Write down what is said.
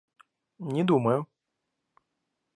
Не думаю.